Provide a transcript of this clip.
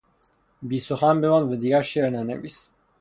بیسخن بمان و دیگر شعر ننویس.